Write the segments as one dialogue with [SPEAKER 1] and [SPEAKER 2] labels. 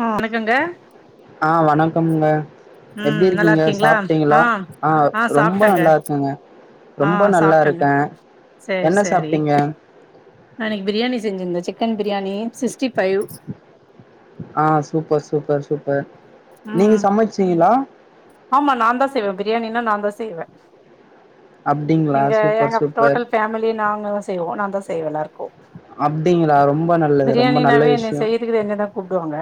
[SPEAKER 1] ஆ வணக்கங்க
[SPEAKER 2] கம்ங்க எப்டி
[SPEAKER 1] ம் நல்லா
[SPEAKER 2] இருக்கீங்க
[SPEAKER 1] இருக்கீங்களா
[SPEAKER 2] சாப்ட்டீங்களா ஆ ரொம்ப நல்லா இருக்கங்க
[SPEAKER 1] ஆ
[SPEAKER 2] ரொம்ப நல்லா
[SPEAKER 1] சாப்ட்டங்க
[SPEAKER 2] இருக்கே
[SPEAKER 1] சேரி
[SPEAKER 2] என்ன
[SPEAKER 1] சேரி
[SPEAKER 2] சாப்ட்டீங்க
[SPEAKER 1] நா இன்னைக்கு பிரியாணி செஞ்சிருந்தே சிக்கன் பிரியாணி சிக்ஸ்டி ஃபைவ்
[SPEAKER 2] ஆ சூப்பர் சூப்பர் சூப்பர் நீங்க
[SPEAKER 1] ம்
[SPEAKER 2] சமச்சீங்களா
[SPEAKER 1] ஆமா நாந்தா செய்வே பிரியாணின்னா நாந்தா செய்வே
[SPEAKER 2] அப்டிங்களா
[SPEAKER 1] இங்க
[SPEAKER 2] சூப்பர்
[SPEAKER 1] எங்க
[SPEAKER 2] சூப்பர்
[SPEAKER 1] டோட்டல் ஃபேமிலி நாங்கதா செய்வோ நாந்தா சே தேவலா இருக்கு
[SPEAKER 2] அப்டிங்களா ரொம்ப நல்லது ரொம்ப நல்ல
[SPEAKER 1] பிரியாணினாவே என்ன
[SPEAKER 2] விஷயோ
[SPEAKER 1] செய்யறதுக்கு என்ன தா கூப்டுவாங்க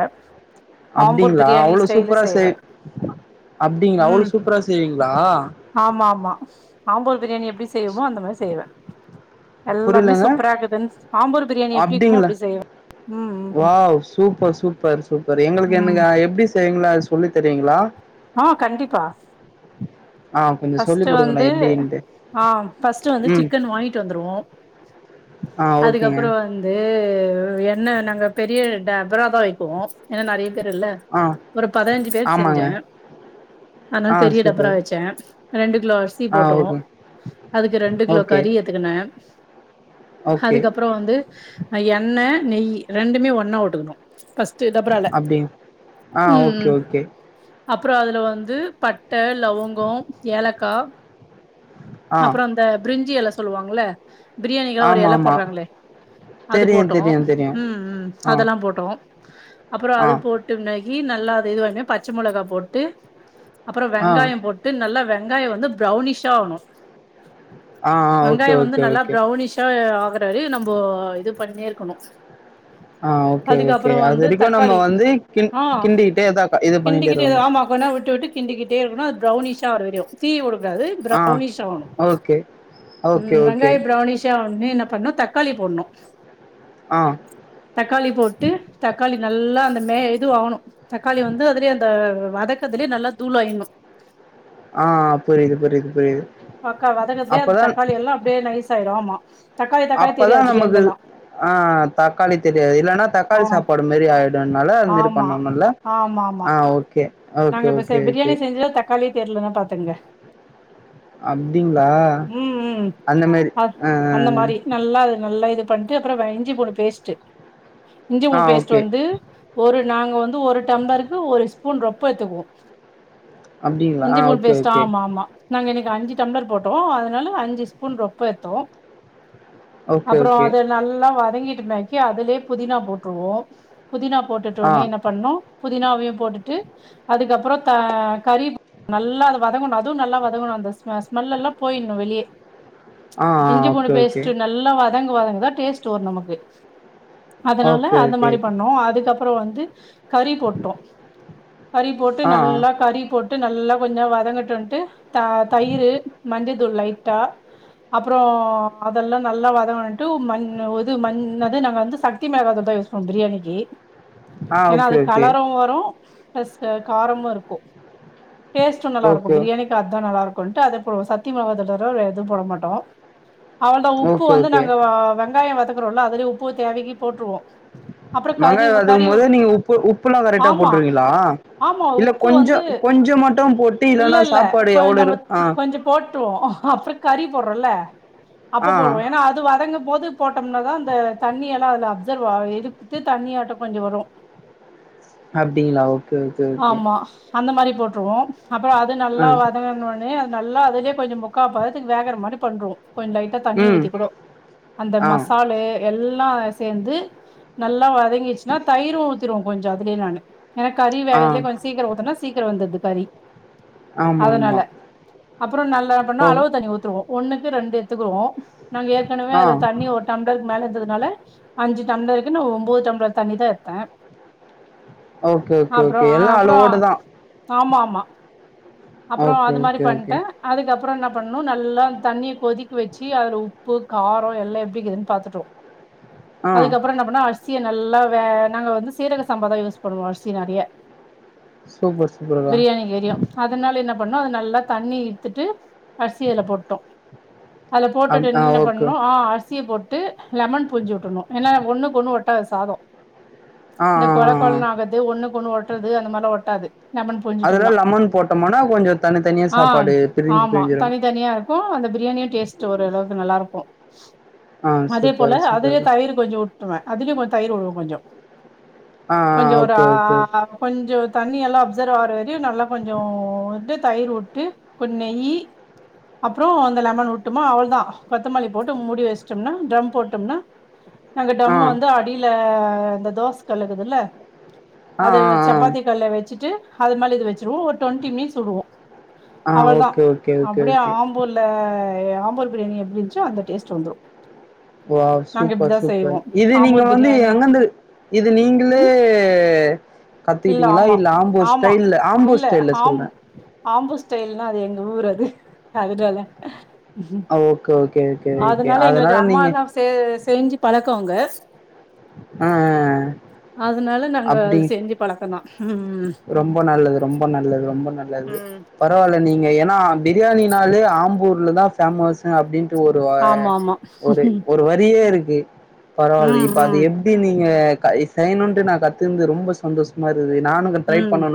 [SPEAKER 1] ஆம்பூர்
[SPEAKER 2] அப்டிங்களா
[SPEAKER 1] பிரியாணி
[SPEAKER 2] அவ்ளவ
[SPEAKER 1] ஸ்டைல
[SPEAKER 2] சூப்பரா சீ
[SPEAKER 1] செய்வே
[SPEAKER 2] அப்டிங்களா அவ்ள
[SPEAKER 1] ம்
[SPEAKER 2] சூப்பரா செய்வீங்களா
[SPEAKER 1] ஆமா ஆம்பூர் பிரியாணியப் எப்டி செய்வோமோ அந்தமாரி செய்வே எல்லாருமே
[SPEAKER 2] புரியலங்க
[SPEAKER 1] சூப்பரா இருக்குதுன்னு ஆம்பூர் பிரியாணி எப்டி இருக்குமோ
[SPEAKER 2] அப்டிங்கள
[SPEAKER 1] அப்டி செய்வே ம் ம்
[SPEAKER 2] வாவ் சூப்பர் சூப்பர் சூப்பர் எங்களுக்கு
[SPEAKER 1] ம்
[SPEAKER 2] எனக்கு எப்டி செய்ங்களா சொல்லி தரிங்களா
[SPEAKER 1] ஆ கண்டிப்பா
[SPEAKER 2] கொஞ்சோ
[SPEAKER 1] ஃபஸ்ட்
[SPEAKER 2] சொல்லி்
[SPEAKER 1] வந்து
[SPEAKER 2] குடுங்களே எப்டின்ட்டு
[SPEAKER 1] ஆ ஃபஸ்ட் வந்து
[SPEAKER 2] ம்
[SPEAKER 1] சிக்கன் வாங்கிட்டு வந்துருவோ
[SPEAKER 2] ஆ ஓகேங்க
[SPEAKER 1] அதுக்கப்புறோ வந்து உ என்ன நாங்க பெரிய டபரா தா வைப்போ ஏன்னா நறைய பேரு இல்ல
[SPEAKER 2] ஆ
[SPEAKER 1] ஒரு பதினஞ்சு பேர்
[SPEAKER 2] ஆமாங்க
[SPEAKER 1] செஞ்சே ஆனால
[SPEAKER 2] ஆ
[SPEAKER 1] பெரிய டபரா
[SPEAKER 2] சூப்பர்
[SPEAKER 1] வச்சே ரெண்டு கிலோ அரிசி
[SPEAKER 2] ஆ
[SPEAKER 1] போட்டோ
[SPEAKER 2] ஓகே
[SPEAKER 1] அதுக்கு ரெண்டு கிலோ
[SPEAKER 2] ஓகே
[SPEAKER 1] கறி எத்துக்கினே
[SPEAKER 2] ஓகே
[SPEAKER 1] அதுக்கப்புறெ வந்து எண்ண நெய் ரெண்டுமே ஒன்னா உட்டுக்கணு
[SPEAKER 2] அப்டி ஆ
[SPEAKER 1] ம்
[SPEAKER 2] ஓகே ஓகே
[SPEAKER 1] அப்புறோ அதுல வந்து பட்ட லவங்கோ ஏலக்கா
[SPEAKER 2] ஆ
[SPEAKER 1] அப்றோ அந்த பிரிஞ் ஞ்சி எல சொல்லுவாங்கள பிரியாணிகல்லா ஒரு
[SPEAKER 2] ஆமா
[SPEAKER 1] எல
[SPEAKER 2] ஆமா
[SPEAKER 1] போடுறாங்களே அது
[SPEAKER 2] தெரியு
[SPEAKER 1] போட்டோ
[SPEAKER 2] தெரியு தெரியு
[SPEAKER 1] உ உ
[SPEAKER 2] ஆ
[SPEAKER 1] அதெல்லா போட்டோ அப்புறோ
[SPEAKER 2] ஆ
[SPEAKER 1] அது போட்டு நெய் கீ நல்லா அது இதுவமே பச்ச மிளகாப் போட்டு அப்புறோ
[SPEAKER 2] ஆ
[SPEAKER 1] வெங்காயோ
[SPEAKER 2] ஆ
[SPEAKER 1] போட்டு நல்லா வே வெங்காயோ வந்து ப்ரௌனிஷ்சா ஆகணு
[SPEAKER 2] ஆ ஓகே
[SPEAKER 1] வெங்காயோ வந்து
[SPEAKER 2] ஓகே
[SPEAKER 1] நல்லா
[SPEAKER 2] ஓகே
[SPEAKER 1] ப்ரௌனிஷ்சா ஆ க்றாரு நம்மோ இது பண்ணே இருக்கணு
[SPEAKER 2] ஆ ஓகே ஓகே
[SPEAKER 1] அதுக்கப்புறோ
[SPEAKER 2] அது
[SPEAKER 1] வந்து
[SPEAKER 2] வரைக்கு நம்ம
[SPEAKER 1] தக்காளி
[SPEAKER 2] வந்து கி கிண்டிக்கிட்டே இது பண்ணிட்டே இருக்
[SPEAKER 1] இது ஆமா கொண்ண விட்டு விட்டு கிண்டிட்டே இருக்கனு அது பிரௌனிஷ் [unintelligible] தீ உடு கூடாது
[SPEAKER 2] ஆ
[SPEAKER 1] ப்ரௌனிஷ் ஆகணு
[SPEAKER 2] ஓகே
[SPEAKER 1] உ
[SPEAKER 2] ஓகே ஓகே
[SPEAKER 1] வெங்காயோ ப்ரௌனிஷா ஆ நோன்னே என்ன பண்ணு தக்காளி போடணு
[SPEAKER 2] ஆ
[SPEAKER 1] தக்காளி போட்டு தக்காளி நல்லா அந்த மே இதுவு ஆகணு தக்காளி வந்து அதுலே அ வதக்கதுலேயே நல்லா தூளாயட்னு
[SPEAKER 2] ஆ புரியுது புரியுது புரியுது
[SPEAKER 1] வக்க வதக்கறதுலயே அந்த
[SPEAKER 2] அப்பதா
[SPEAKER 1] தக்காளி எல்லா அப்டியே நைஸ் ஆயிரு ஆமா தக்காளி தக்காளி
[SPEAKER 2] அப்பதா
[SPEAKER 1] தெரியாது
[SPEAKER 2] நமக்கு
[SPEAKER 1] பிரியாணிலலா
[SPEAKER 2] ஆ தக்காளி தெரியாது இல்லன்னா
[SPEAKER 1] ஆ
[SPEAKER 2] தக்காளி சாப்பாடு மாரி ஆயிடும்னால அது மாரி
[SPEAKER 1] ஆமா
[SPEAKER 2] பண்ணோும்ல்ல
[SPEAKER 1] ஆமா ஆமா
[SPEAKER 2] ஆ ஓகே
[SPEAKER 1] நாங்க
[SPEAKER 2] ஓகே
[SPEAKER 1] இப்ப
[SPEAKER 2] ஓகே ஓகே
[SPEAKER 1] பிரியாணி செஞ்ச தக்காளி தெரலன்னா பாத்துங்க
[SPEAKER 2] அப்டிங்களா
[SPEAKER 1] உ உ
[SPEAKER 2] அந்த மாரி
[SPEAKER 1] அ
[SPEAKER 2] ஆ
[SPEAKER 1] அந்த மாதிரி நல்லாஇது நல்லா இது பண்ணிட்டு அப்புறோ இஞ்சி புன்டு பேஸ்ட்டு இஞ்சி
[SPEAKER 2] ஆ ஆ
[SPEAKER 1] பூன்டு பேஸ்ட்
[SPEAKER 2] ஓகே
[SPEAKER 1] வந்து ஒரு நாங்க வந்து ஒரு டம்ளருக்கு ஒரு ஸ்பூன் ரொப் ப்ப எத்துக்குவோ
[SPEAKER 2] அப்டிங்களா ஆ
[SPEAKER 1] இஞ்சி பூன்டு
[SPEAKER 2] ஓகே
[SPEAKER 1] பேசட்டா
[SPEAKER 2] ஓகே
[SPEAKER 1] ஆமா ஆமா நாங்க இன்னைக்கு அஞ்சு டம்ளர் போட்டோ அதனால அஞ்சு ஸ்பூன் ரொப்ப ஏத்தோ
[SPEAKER 2] ஓகே
[SPEAKER 1] அப்புறோ
[SPEAKER 2] ஓகே
[SPEAKER 1] அது நல்லா வர வதங்கிட்டின்னாக்கி அதுலயே புதினா போட்ருவோ புதினா போட்டுட்டோ
[SPEAKER 2] ஆ
[SPEAKER 1] உன்னே என்ன பண்ணு புதினாவையு போட்டுட்டு அதுக்கப்புறோ த கறி நல்லா அது வதங்கணு அதுவு நல்லா வதங்கணு அந்தஸ் ஸ்மெல்லெல்லா போய்ட்ணு வெளிய
[SPEAKER 2] ஆ ஆ
[SPEAKER 1] இஞ்சி பூன்டு
[SPEAKER 2] ஓகே ஓகே
[SPEAKER 1] பேஸ்ட்டு நல்லா வ வதங்கு வதங்குதா டேஸ்ட் வரு நமக்கு அதனால
[SPEAKER 2] ஓகே
[SPEAKER 1] அந்த
[SPEAKER 2] ஓகே
[SPEAKER 1] மாரி பண்ணோ அதுக்கப் அப்புற வந்து கறி போட்டோ கறி போட்டு
[SPEAKER 2] ஆ
[SPEAKER 1] நல்லா கறி போட் ட்டு நல்லா கொஞ்ச நெர வதங்கட்டுன்ட்டு த தயிறு மஞ்சத் மஞ்சதுல் லைட்டா அப்புறோ அதெல்லா நல்லா வதங்கன்ட்டு உ மஞ் இது ம் இன்னது நாங்க வந்து சக்தி மிலாகதுள் தா யூஸ் பன்னோ பிரியாணிக்கு
[SPEAKER 2] ஆ
[SPEAKER 1] ஏனா
[SPEAKER 2] ஓகே
[SPEAKER 1] அது
[SPEAKER 2] ஓகே
[SPEAKER 1] கலரு வரு ப்ளஸ் காரமு இருக்கு டேஸ்டு நல்லா இருக்கு
[SPEAKER 2] ஓகே
[SPEAKER 1] பிரியாணிக் அதா நல்ல இருக் கொண்ட்டு அத போ சக்திமிலகாதுள் தவிர வேர எது போட மாட்டோ அவ்ளதா உப்பு
[SPEAKER 2] ஓகே
[SPEAKER 1] வந்து
[SPEAKER 2] ஓகே
[SPEAKER 1] நாங்க வ வெங்காயோ வ தக்குறோ இல்ல அதுலயே உப்பு தேவைக்கி போட்ருவோ
[SPEAKER 2] வெங்காயோ வதக்கும்போதே நீங்க உப்பு உப்புலா கரெக்டா
[SPEAKER 1] ஆமா
[SPEAKER 2] போட்ருவீங்களா
[SPEAKER 1] ஆமா உப்பு வந்து
[SPEAKER 2] போட்டு
[SPEAKER 1] இல்ல
[SPEAKER 2] இல்லன்னா
[SPEAKER 1] இல்ல
[SPEAKER 2] சாப்பாடு
[SPEAKER 1] இப்ப
[SPEAKER 2] எவ்ளோ
[SPEAKER 1] நம்ம
[SPEAKER 2] இரு ஆ
[SPEAKER 1] கொஞ்சோ போட்ருவோ அப்றோ கறி போ ட்றோல்ல
[SPEAKER 2] ஆ
[SPEAKER 1] அப்ப போடுவோ ஏன்னா அது வதங்கு ம்போது போட்டோம்னாதா அந்த தண்ணி எல்லா அதுல அப்சர்வ் ஆகி இழுக்குத்து தண்ணியாட்டோ கொஞ்ச வரு
[SPEAKER 2] அப்டிங்களா ஓ சேரி சேரி ஓகே
[SPEAKER 1] அந்த மாரி போட்ருவோ அப்புற அது
[SPEAKER 2] ஆ
[SPEAKER 1] நல்லா வதங்குன ஒடனே அ து நல்லா அதுலயே கொஞ்ச முக்கா பதத்துக்கு வேகற மாரி பண்ருவோ கொஞ்ச லைட்டா தண்ணி
[SPEAKER 2] ம்
[SPEAKER 1] ஊத்திக்கூடோ அந்த
[SPEAKER 2] ஆ
[SPEAKER 1] மசாலு எல்லா சேந்து நல்லா வதங்கிருச்சுன்னா தயிரு ஊத்திருவோ கொஞ்ச அதுலயே நானு ஏன்னா கறி
[SPEAKER 2] ஆ
[SPEAKER 1] வேகறதுலயே கொஞ்ச சீக்கிறோ ஊத்துனா சீக்கிரோ வெந்துருது கறி
[SPEAKER 2] ஆமா ஆமா
[SPEAKER 1] அப்புற நல்லா பண்ணா
[SPEAKER 2] ஓ
[SPEAKER 1] அளவு தண்ணி ஊத்திருவோ ஒண்ணுக்கு ரெண்டு எட்த்துக்குவோ நாங்க ஏற்கனவே
[SPEAKER 2] ஆ
[SPEAKER 1] அதுல தண்ணி ஒரு டம்ளர் மேல இருந்ததுனால அஞ்சு டம்ளர்க்கு நா ஒம்போது டம்ளர் தண்ணிதா எட்த்தே
[SPEAKER 2] ஓகே ஓகே ஓகே எல்லா அளவோடதா
[SPEAKER 1] ஆமா ஆமா அப்றோ அது மாரி
[SPEAKER 2] ஓகே ஓகே
[SPEAKER 1] பண்ட்டே அதுக்கப் அப்பறோ என்ன பண்ணோ நல்லா தண்ணிய கொதிக்க வச்சி அதுல உப்பு காரோ எல்லா எப்டிக்குதுன்னு பாத்துட்டோ
[SPEAKER 2] ஆ
[SPEAKER 1] அதுக்கப்புற என்ன பண்ண அரி சிய நல்லா வே நாங்க வந்து சீரக சம்பாதா யூஸ் பண்ணுவோ அர்சி நெறைய
[SPEAKER 2] சூப்பர் சூப்பர்க்கா
[SPEAKER 1] பிரியாணிக்கு வெரியு அதனால என்ன பண்ணோ அத நல்லா தண்ணி இர்த்துட்டு அர்சிய அதுல போட்டோ அதுல போட்டுட்டு
[SPEAKER 2] அப் ஆ
[SPEAKER 1] என்னென்ன
[SPEAKER 2] ஓகே
[SPEAKER 1] பண்ணோ ஆ அர் ச்சிய போட்டு லெமன் பூஞ்சுவுட்டணு ஏன்னா ஒண்ணுக்கொண்ணு ஒட்டாது சாதோ
[SPEAKER 2] ஆ ஆ ஆ
[SPEAKER 1] இந்த கொழ
[SPEAKER 2] ஆ
[SPEAKER 1] கொழன் ஆகாது ஒண்ணுக்கு ஒண்ணு ஒட்டுறது அந்த மாரிலா ஒட்டாது லெமன்
[SPEAKER 2] அதுல
[SPEAKER 1] புரிஞ்சுட்டும்ன்னா
[SPEAKER 2] லெமன் போட்டோம்னா கொஞ்சோ தனித்தனியா
[SPEAKER 1] ஆ
[SPEAKER 2] சாப்பாடு பிரிஞ்சு
[SPEAKER 1] ஆமா
[SPEAKER 2] பிரிஞ்சிரு
[SPEAKER 1] தனி தனியா இருக்கோ அந்த பிரியாணியு டேஸ்ட் ஓரளவு வது நல்லா இருக்கு
[SPEAKER 2] ஆ
[SPEAKER 1] அதே போல
[SPEAKER 2] சூப்பர்
[SPEAKER 1] அது
[SPEAKER 2] சூப்பர்க்கா
[SPEAKER 1] தயரு கொஞ்சோ ட்டுவ அதிலியு கொஞ்சோ தயிர்வுடுவே கொஞ்சோ
[SPEAKER 2] ஆ
[SPEAKER 1] கொஞ்சோ
[SPEAKER 2] ஆ
[SPEAKER 1] ஒரு
[SPEAKER 2] ஓகே ஓகே
[SPEAKER 1] ஆ கொஞ்சோ தண்ணி எல்லா அப்சர் ஆவுர வரையு நல்லா கொஞ் கொஞ்சோன்டு தயிர்வுட்டு கொஞ் நெய் அப்புறோ அந்த லெமன் விட்டோம்மா அவ்ளதா கொத்தமல்லி போட்டு முடி வசிட்டம்னா ட்ரம் போட்டோம்னா நாங்க
[SPEAKER 2] ஆ
[SPEAKER 1] டம் வந்து அடியில ஆ இந்த தோச கல்லுக்குதில்ல
[SPEAKER 2] ஆ
[SPEAKER 1] அது
[SPEAKER 2] ஆ
[SPEAKER 1] சப்பாத்தி
[SPEAKER 2] ஆ
[SPEAKER 1] கல்ல வச்சிட்டு அது மேல இது வச் சிருவோ ஒரு டொண்டி மினிட்ஸ்வுடுவோ
[SPEAKER 2] ஆ
[SPEAKER 1] அவளதா
[SPEAKER 2] ஓகே ஓகே ஓகே
[SPEAKER 1] அப்பிடியே
[SPEAKER 2] ஓகே
[SPEAKER 1] ஆம்பூல எ ஆம்பூர் பிரியாணி எப்பிடியிருந்ச்சோ அந்த டேஸ்ட் வந்துரு
[SPEAKER 2] வாவ்
[SPEAKER 1] நாங்க
[SPEAKER 2] சூப்பர்
[SPEAKER 1] இப்டிதா
[SPEAKER 2] சூப்பர்
[SPEAKER 1] செய்வோ
[SPEAKER 2] இது நீங்க
[SPEAKER 1] ஆம்பூர்
[SPEAKER 2] வந்து
[SPEAKER 1] பிரியாணி
[SPEAKER 2] எங்கந்து இது நீங்களே
[SPEAKER 1] ம் இல்ல
[SPEAKER 2] கத்துக்கிட்டீங்களா
[SPEAKER 1] ஆமா
[SPEAKER 2] ஆம்பூர்
[SPEAKER 1] ஆமா
[SPEAKER 2] ஸ்டைல்ல ஆம்பூர்
[SPEAKER 1] இல்ல
[SPEAKER 2] ஸ்டைல்ல சொல்றே
[SPEAKER 1] ஆம்பு ஆம்பூர் ஸ்டைல்ன்னா அது எங்க ஊர் அது அதுனால
[SPEAKER 2] ஓகே ஓ
[SPEAKER 1] அதனால எங்களுக்கு அம்மா இல்லாம செ செஞ்சி பழக்குவாங்க
[SPEAKER 2] ஆ
[SPEAKER 1] அதனால நாங்க
[SPEAKER 2] அப்டி
[SPEAKER 1] செஞ்சி பழக்கதா
[SPEAKER 2] ரொம்ப நல்லது ரொம்ப நல்லது ரொம்ப நல்லது
[SPEAKER 1] ம்
[SPEAKER 2] பரவாயில்ல நீங்க என் நா பிரியாணினாலே ஆம்பூர்லதா பேமஸ் அப்பிடின் ஒரு வ
[SPEAKER 1] ஆமா ஆமா
[SPEAKER 2] ஒரு ஒரு வரியே இருக்கு பரவால்ல
[SPEAKER 1] ம்
[SPEAKER 2] இப்ப அது
[SPEAKER 1] ம்
[SPEAKER 2] எப்டி நீங்க க இது செய்ணும்னு நா கத்துருந்து ரொம்ப சந்தோஷமா இருக்குது நானு க
[SPEAKER 1] ம்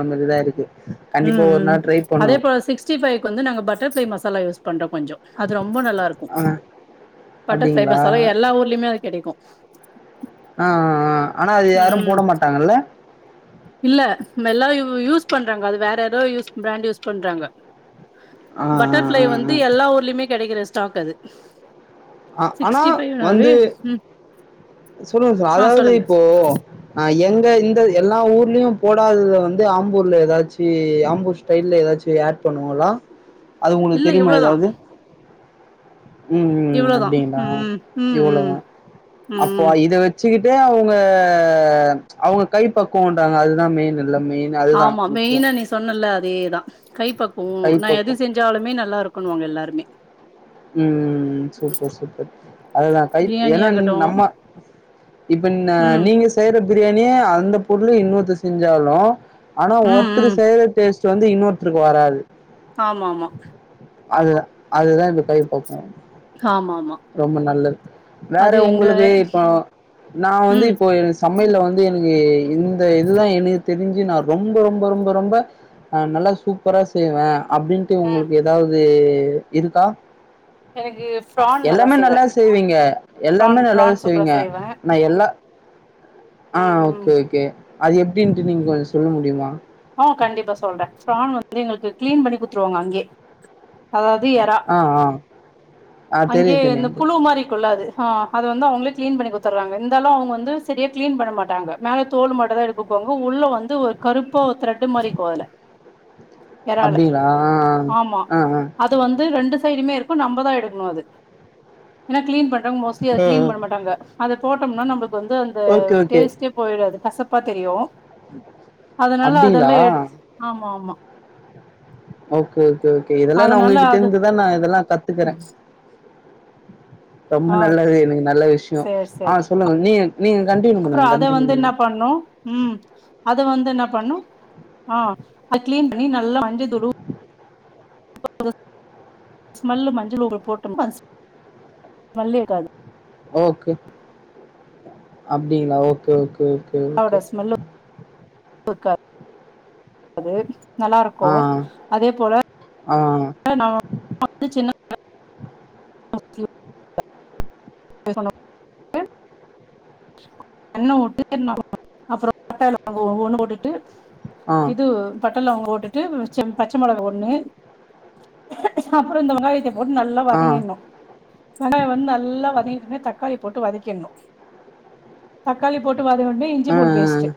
[SPEAKER 1] ம்
[SPEAKER 2] ஒரு
[SPEAKER 1] ம்
[SPEAKER 2] நாள் ட்ரை
[SPEAKER 1] அதே
[SPEAKER 2] பண்ணுவோ.
[SPEAKER 1] போல சிக்ஸ்டி ஃபைவ்க்கு வந்து நாங்க பட்டர்ஃப்ளை மசாலா யூஸ் பண்றோ கொஞ்சோ அது ரொம்ப நல்லா இருக்கு
[SPEAKER 2] ஆ
[SPEAKER 1] பட்டர்ஃப்ளை
[SPEAKER 2] அப்டிங்களா
[SPEAKER 1] மசாலா எல்லா ஊர்லயுமே அது கெடைக்கு
[SPEAKER 2] ஆ ஆ ஆனா அது யாரு
[SPEAKER 1] ம்
[SPEAKER 2] போட மாட்டாங்கல்ல
[SPEAKER 1] இல்ல எல்லா இது யூஸ் பண்றாங்க அது வேற ஏதோ யூஸ் பிராண்ட் யூஸ் பண்றாங்க
[SPEAKER 2] ஆ
[SPEAKER 1] பட்டர்ஃப்ளை
[SPEAKER 2] ஆ ஆ
[SPEAKER 1] வந்து எல்லா ஊர்லயுமே கெடைக்கற ஸ்டாக் அது
[SPEAKER 2] அ ஆனா
[SPEAKER 1] சிக்ஸ்டி ஃபைவ்னாவே
[SPEAKER 2] வந்து
[SPEAKER 1] ம்
[SPEAKER 2] சொல்லுங்க ச
[SPEAKER 1] ஆ
[SPEAKER 2] அதாவது
[SPEAKER 1] சொல்லுங்க
[SPEAKER 2] இப்போ ஆ எங்க இந்த எல்லா ஊர்லயு போடாதத வந்து ஆம்பூர்ல ஏதாச்சி ஆம்பூர் ஸ்டைல்ல ஏதாச்சி ஆட் பண்ணுவாங்ளா அது உங்களுக்கு
[SPEAKER 1] இல்ல
[SPEAKER 2] தெரியுமா
[SPEAKER 1] இவ்ளோதா
[SPEAKER 2] எதாவது ம் ம் ம் அ
[SPEAKER 1] இவ்ளோதா
[SPEAKER 2] ப்டிங்களா
[SPEAKER 1] ம் ம் ம்
[SPEAKER 2] இவ்ளோதா அப்போ
[SPEAKER 1] ம்
[SPEAKER 2] இத வச் சுக்கிட்டு அவுங்க அவுங்க கை பக்குவோன்றாங்க அதுதா மெயின் இ
[SPEAKER 1] ஆமா மெயினா நீ சொன்னல்ல அதேதா கை பக்குவோ நா
[SPEAKER 2] கைப்பக்குவோ
[SPEAKER 1] எது செஞ்சாலுமே நல்லா இரு க்குன்னுவாங்க எல்லாருமே
[SPEAKER 2] ம் சூப்பர் சூப்பர் அதுதா கைப்
[SPEAKER 1] பிரியாணி
[SPEAKER 2] ஏன்னா ம்
[SPEAKER 1] ஆகட்டு
[SPEAKER 2] நம்ம இப்ப ந
[SPEAKER 1] ம்
[SPEAKER 2] நீங்க செய்ற பிரியாணியே அந்த பொருள்ல இன்னொருத்தர் செஞ்சாலு ஆனா
[SPEAKER 1] ம்
[SPEAKER 2] ஒருத்தரு
[SPEAKER 1] ம்
[SPEAKER 2] செய்யற டேஸ்ட் வந்து இன்னொருத்தருக்கு வராது
[SPEAKER 1] ஆமா ஆமா
[SPEAKER 2] அதுதா அதுதா இந்த கை பக்குவோ
[SPEAKER 1] ஆமா ஆமா
[SPEAKER 2] ரொம்ப நல்லது வேற
[SPEAKER 1] அது எங்க
[SPEAKER 2] உங்களுக்கு இப்போ நா வந்து
[SPEAKER 1] ம்
[SPEAKER 2] இப்போ எனக்கு ச மையல்ல வந்து எனக்கு இந்த இதுதா எனக்கு தெரிஞ்சு நான ரொம்ப ரொம்ப ரொம்ப ரொம்ப ஆ நல்லா சூப்பரா செய்வே அப்டின்ட்டு
[SPEAKER 1] ம்
[SPEAKER 2] உங்களுக்கு எதாவது அ இருக்கா
[SPEAKER 1] எனக்கு ஃப்ரான் நல்லா
[SPEAKER 2] எல்லாமே
[SPEAKER 1] செய்வே
[SPEAKER 2] நல்லாதா செய்வீங்க
[SPEAKER 1] ஃப்ரான்
[SPEAKER 2] எல்லாமே நல்லாதா
[SPEAKER 1] ஃப்ரான் சூப்பரா
[SPEAKER 2] செய்வீங்க
[SPEAKER 1] செய்வே
[SPEAKER 2] நா எல்லா ஆ
[SPEAKER 1] ம் ம்
[SPEAKER 2] ஓகே ஓகே அது எப்டின்ட்டு நீங்க கொஞ்ச சொல்ல முடியுமா
[SPEAKER 1] ஆ கண்டிப்பா சொல்றே ஃப்ரான் வந்து எங்களுக்கு கிளீன் பண்ணி குட்த்துருவாங்க அங்கயே அதாவ் வ்து எறா
[SPEAKER 2] ஆ ஆ ஆ தெரியு
[SPEAKER 1] அங்கயே இந்த
[SPEAKER 2] தெரியு
[SPEAKER 1] புழு மாரி இருக்குள்ள அது ஹா அது வந்து அவங்களே கிளீன் பண்ணி குடுத்துர்றாங்க இருந்தாலு அவங்க வந்து சரியா கிளீன் பண்ண மாட்டாங்க மேல தோல் மாட்டுந்தா எடுப்புக்குவாங்க உள்ள வந்து ஒரு கரு ப்பா ஒரு த்ரெட்டு மாரி இருக்கு அதுல எறால்ல
[SPEAKER 2] அப்டிங்களா ஆ
[SPEAKER 1] ஆமா
[SPEAKER 2] ஆ ஆ ஆ
[SPEAKER 1] அது வந்து ரெண்டு தா இனிமே இருக்கு நம்பதா எடுக்கணு அது ஏன்னா கிளீன் பண் றவங்க மோஸ்ட்லி அத
[SPEAKER 2] ஆ
[SPEAKER 1] கிளீன் பண்ண மாட்டாங்க அத போட்டம்னா நம்பளுக் கு வந்து அந்த
[SPEAKER 2] ஓகே ஓகே
[SPEAKER 1] டேஸ்டே போயிடு அது கசப்பா தெரியு
[SPEAKER 2] [unintelligible]
[SPEAKER 1] அதனால
[SPEAKER 2] அப்டிங்களா
[SPEAKER 1] அதெல்லாம் எடுத் ஆமா ஆமா
[SPEAKER 2] ஓகே ஓகே ஓகே இதெல்லா நா
[SPEAKER 1] அதனால
[SPEAKER 2] உங்ககிட்ட
[SPEAKER 1] அது
[SPEAKER 2] இருந்துதா நா இதெல்லா கத்துக்கறே. ரொம்ப
[SPEAKER 1] ஆ
[SPEAKER 2] நல்லது எனக்கு நல்ல விஷயோ
[SPEAKER 1] சேர் சேர்
[SPEAKER 2] ஆ சொல்லுங்க நீ நீங்க கண்டினியூ
[SPEAKER 1] அப்புறோ
[SPEAKER 2] பண்ணுங்க
[SPEAKER 1] அத
[SPEAKER 2] கண்டினியூ
[SPEAKER 1] வந்து என்ன
[SPEAKER 2] பண்ணுங்க
[SPEAKER 1] து என்ன பண்ணணு ஆ அத கிளீன் பண்ணி நல்லா மஞ்சத்தூளு [inaudible] ஸ்மெல்லு மஞ்சள் ஆ பொடி போட்டம்ல [unintelligible] ஸ்மெல்லே இருக்காது
[SPEAKER 2] ஓகே அப்டிங்களா ஓகே ஓகே ஓகே ஓகே
[SPEAKER 1] இருக்காது அது நல்லா இருக்கு
[SPEAKER 2] ஆ
[SPEAKER 1] அதே போல
[SPEAKER 2] ஆ
[SPEAKER 1] [inaudible] நா வ நா வந்து சின்ன அ [inaudible] [inaudible] எண்ண வுட்டு [inaudible] அப்புறோ பட்ட லவங்கோ ஒவ்வொண்ணு போட்டுட்டு
[SPEAKER 2] ஆ
[SPEAKER 1] இது
[SPEAKER 2] ஆ
[SPEAKER 1] பட் ட லவங்கோ போட்டுட்டு ச பச்ச மெளகா ப்ன்னு அப்புறோ இந்த வெங்காயத்த போட்டு நல்லா
[SPEAKER 2] ஆ
[SPEAKER 1] வதங்கிரணு வெங்காயோ வந்து நல்லா வதங்கி னவுனே தக்காளிய போட்டு வதக்கிடணு. தக்காளி போட் டு வதங்குனவுட்னே இஞ்சி
[SPEAKER 2] ஆ
[SPEAKER 1] பூண்டு பேஸ்ட்டு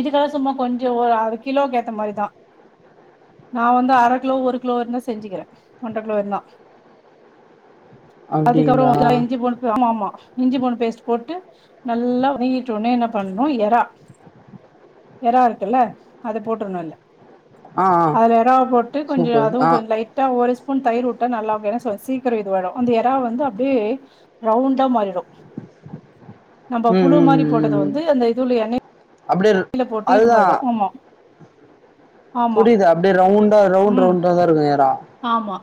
[SPEAKER 1] இதுக்காக சும்மா கொஞ்சோ ஒரு அது கிலோக்கு ஏத்த மாரிதா நா வந்து அரை கிலோ ஒரு கிலோ வரையிலு செஞ்சுக்கிறே ஒன்ர கிலோ எல்லா அதுக்கப்புறோ
[SPEAKER 2] அப்டிங்களா
[SPEAKER 1] [inaudible] இஞ்சி பூண்டு ஆமா ஆமா இஞ்சி பூண்டு பேஸ்ட் போட்டு நல்லா வதங்கிட்டவுன்னே என்ன பண்ணனு எறா எறா இருக்கல்ல அத போட்டுரணு அதுல
[SPEAKER 2] ஆ ஆ
[SPEAKER 1] அதுல எறாவ போட்டு கொஞ்ச
[SPEAKER 2] சூப்பர்
[SPEAKER 1] அதுவு
[SPEAKER 2] ஆ
[SPEAKER 1] கொஞ்ச லைட்டா ஒரு ஸ்பூன் தயிர் விட்டா நல்லா ஆகு ஏன்னா சொ சீக்கிரோ இதுவாயிடு அந்த எறா வந்து அப்டியே ரவுண்டா மாறிரு நம்ப
[SPEAKER 2] ம் ம்
[SPEAKER 1] புழு
[SPEAKER 2] ம்
[SPEAKER 1] மாரி போட்டது
[SPEAKER 2] ம் ம்
[SPEAKER 1] வந்து அந்த இதுல எண்ணை
[SPEAKER 2] அப்டியே ர் அதுதா
[SPEAKER 1] ஆமா
[SPEAKER 2] புரியுது அப்டியே ரவுண்டா ரவுண்
[SPEAKER 1] ம்
[SPEAKER 2] ரவுண்டாதா இருக்கு எறா
[SPEAKER 1] ஆமா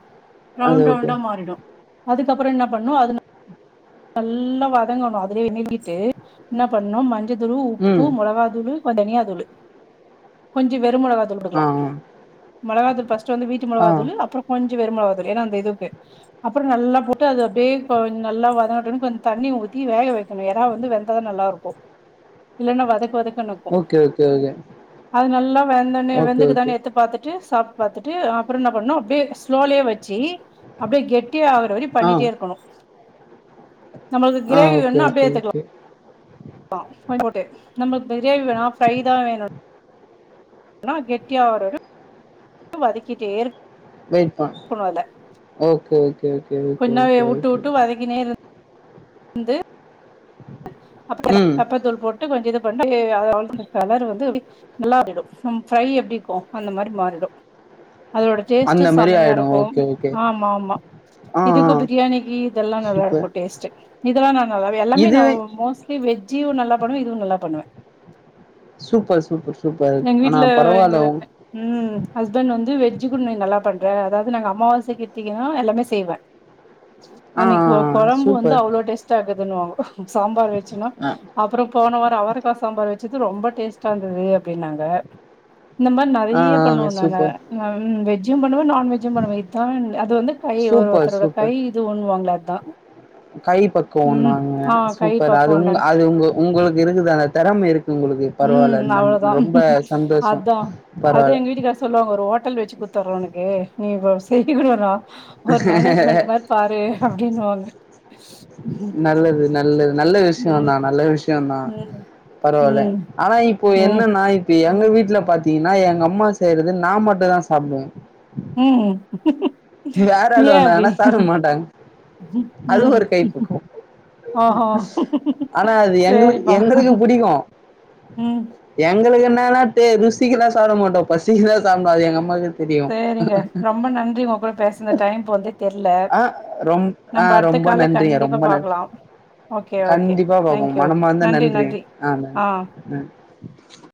[SPEAKER 2] அது
[SPEAKER 1] ரவுண்ட்
[SPEAKER 2] ஓகே
[SPEAKER 1] ரவுண்டா மாறிடு அதுக்கப்புறோ என்ன பண்ணணு அது நல்லா வதங்கணு அதுலயே எண்ணைல [inaudible] என்ன பண்ணணு மஞ்ச தூளு உப்பு
[SPEAKER 2] ம்
[SPEAKER 1] மொளகாத்தூளு கொஞ்ச தனியா தூளு கொஞ்ச வ ற மெளகாத்தூளு
[SPEAKER 2] ஆ
[SPEAKER 1] போட்டுக்கலா மெளகாத்தூள் ஃபஸ் ட்டு வந்து வீட்டு
[SPEAKER 2] ஆ ஆ
[SPEAKER 1] மொளகா த்தூளு அப்புறோ கொஞ் ச வெறு மொளகாத்தூள் ஏன்னா அந்த இதுக்கு அப்ற நல்லா போட்டு அத அப்டியே கொ நல்லா வதங்கட்டுன்னு கொஞ் தண்ணி ஊத்தி வேகவைக்கணு எறா வந்து வெந்தாதா நல்லா இருக்கு இல்லனா வதக்கு வதக் குனு இருக்கு
[SPEAKER 2] ஓகே ஓகே ஓகே
[SPEAKER 1] அது நல்லா வெந்தனே
[SPEAKER 2] ஓகே ஓகே
[SPEAKER 1] வெந்துருக்குதான்னு எட்த்து பாத்துட்டு சாப்ட்டு பாத்துட்டு அப்புறோ என்ன பண்ணணு அப்டியே ஸ்லோலயே வச்சி அப்டியே கெட் டியா வர்ற வரயு
[SPEAKER 2] ஆ
[SPEAKER 1] பண்ணிட்டே இருக்கணு நம்மளுக்கு
[SPEAKER 2] ஆ
[SPEAKER 1] கிரேவி
[SPEAKER 2] ஓகே
[SPEAKER 1] வேண்ணா அப்டியே
[SPEAKER 2] ஓகே
[SPEAKER 1] எட்த்துக்கலா
[SPEAKER 2] ஓகே
[SPEAKER 1] ட்டு நம்மளுக்கு பிரியாணி வேணா ஃபிரைதான் வேணு ன்னா கெட்டியா வர வரையு வதக்கிட்டே இரு
[SPEAKER 2] லைட்டா ஓகே ஓகே ஓகே ஓகே
[SPEAKER 1] கொஞ்ச நேரோ
[SPEAKER 2] ஓகே
[SPEAKER 1] உட்டு
[SPEAKER 2] ஓகே
[SPEAKER 1] உட்டு வதக்கினே இரு ந்து அப்பிடிதா
[SPEAKER 2] ம்
[SPEAKER 1] பேப்பர் தூள் போட்டு கொஞ்சோ இத [unintelligible] கலர் வந்து நல்லா ஆறிறும் ம் ஃப்ரை எப்பிடிக்கு அந்த மாரி மாறிடு அதோட டேஸ்ட்
[SPEAKER 2] அந்த மாரி
[SPEAKER 1] செமையா
[SPEAKER 2] ஆயிடு
[SPEAKER 1] இருக்கு
[SPEAKER 2] ஓகே ஓகே
[SPEAKER 1] ஆமா ஆமா
[SPEAKER 2] ஆ ஆ
[SPEAKER 1] இதுக்கு பிரியாணிக்கி இதெல்லா நல்லா
[SPEAKER 2] சூப்பர்
[SPEAKER 1] இருக்கு டேஸ்ட் இதெல்லா நா நல்லாவே எல்லாமே நா
[SPEAKER 2] இதுவே
[SPEAKER 1] மோஸ் வே ஜிவு நல்லா பண்ணுவே இதுவு நல்லா பண்ணுவே
[SPEAKER 2] சூப்பர் சூப்பர் சூப்பர்
[SPEAKER 1] எங்க
[SPEAKER 2] ஆனா
[SPEAKER 1] வீட்ல எங்
[SPEAKER 2] பரவால்ல உங்
[SPEAKER 1] ம் ஹஸ்பண்ட் வெஜ் கூட நீ நல்லா பண் வேற எதாவது நாங்க அம்மாவாசைக் கிருத்திகனா எல்லாமே செய்வே
[SPEAKER 2] ஆ ஆ
[SPEAKER 1] அன்னிக்கு கொ
[SPEAKER 2] ஆ
[SPEAKER 1] கொழம்பு வந்து
[SPEAKER 2] சூப்பர்
[SPEAKER 1] அவ்ளோ டேஸ்ட்டா ஆகுதுன்னுவாங்கோ சாம்பா ச்சின்னா
[SPEAKER 2] ஆ
[SPEAKER 1] அப்புறோ போன வாரோ அவரக்கா சம்பார் வச் ச்சது ரொம்ப டேஸ்டா இருந்தது அப்பிடின்னாங்க இந்த மாரி
[SPEAKER 2] ஆ
[SPEAKER 1] நெறைய
[SPEAKER 2] ஆ
[SPEAKER 1] பண்ணுவோ நாங்க
[SPEAKER 2] சூப்பர்
[SPEAKER 1] ம் வெஜ் ஜி பண்ணுவே நா வெஜ்ஜி பண்ணுவே இதுதா அது வந்து கை ஒரு
[SPEAKER 2] சூப்பர்
[SPEAKER 1] ஒருத்தோட கை
[SPEAKER 2] சூப்பர்
[SPEAKER 1] இது உண்ணுவாங்கள அ தா
[SPEAKER 2] கை பக்குவோ இன்னுவாங்க
[SPEAKER 1] கை
[SPEAKER 2] சூப்பர் அதுவுங்
[SPEAKER 1] பக்குவோன்டாங்க
[SPEAKER 2] அது உங்க உங்களுக்கு இருக்குதா தெறம இருக்
[SPEAKER 1] ம் அவ்லோதா
[SPEAKER 2] சந்தோஷோ
[SPEAKER 1] அதா அது
[SPEAKER 2] பரவால்ல
[SPEAKER 1] எங்க வீட்டுக்கார் சொல்லுவாங்க ஒரு ஹோட்டல் வச்சி குத்தர்றே உனக்கு நீ ப செய்கீகுடவறா ஒரு மேனேஜ்மெண்ட் மாரி பாரு அப்பிடின்னு வாங்க
[SPEAKER 2] நல்லது நல்லது நல்ல விஷ்யோதா நல்ல விஷ்யோதா பரவாயில்ல
[SPEAKER 1] ம்
[SPEAKER 2] ஆனா இப்போ
[SPEAKER 1] ம் ம்
[SPEAKER 2] என்னன்னா இப்ப எ எங்க வீட்ல பாத்தீங்கன்னா எங்க அம்மா செய்றது நா மட்டுதா சாப்புடுவே
[SPEAKER 1] ம்
[SPEAKER 2] வேற ஆளு
[SPEAKER 1] ஏன் அப்டி
[SPEAKER 2] வந்தாங்கன்னா சாப்படமாட்டாங்க அது
[SPEAKER 1] ம்
[SPEAKER 2] ஒரு கைப்புக்குவோ
[SPEAKER 1] ஓஹோ
[SPEAKER 2] ஆனா அது எங்ளுக்
[SPEAKER 1] சேரிப்பா
[SPEAKER 2] எங்களுக்கு புடிக்கு
[SPEAKER 1] ம்
[SPEAKER 2] எங்களுக்குன் வேலாடே ருசிக்கலா சாப்பிடமாட்டோ பசிக்குதா சாப்ட எங்க அம்மாக்கு
[SPEAKER 1] சேரிங்க ரொம்ப நன்றி உங்க கூட பேச இந்த டைம் போறதே தெர்ல
[SPEAKER 2] ஆ ரொம் ஆ
[SPEAKER 1] நம்ம அடுத்த
[SPEAKER 2] ரொம்ப
[SPEAKER 1] கால்ல
[SPEAKER 2] நன்றிங்க
[SPEAKER 1] கண்டிப்பா
[SPEAKER 2] ரொம்ப நன்
[SPEAKER 1] பாக்லாம் ஓக்கே ஓக்கே
[SPEAKER 2] கண்டிப்பா பாப்போம்
[SPEAKER 1] தேங்க்யூ
[SPEAKER 2] மனமார்ந்த
[SPEAKER 1] நன்றி நன்றி ஆ
[SPEAKER 2] நன்றி ம்